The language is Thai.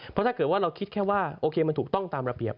เพราะถ้าเกิดว่าเราคิดแค่ว่าโอเคมันถูกต้องตามระเบียบ